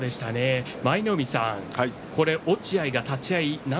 舞の海さん、落合立ち合い